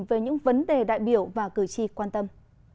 về những vấn đề đại biểu và cử tri quan tâm